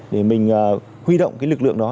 để mình huy động cái lực lượng đó